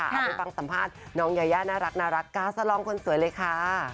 เอาไปฟังสัมภาษณ์น้องยายาน่ารักกาสลองคนสวยเลยค่ะ